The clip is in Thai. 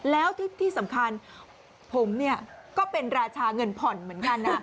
แล้วที่สำคัญผมเนี่ยก็เป็นราชาเงินผ่อนเหมือนกันนะ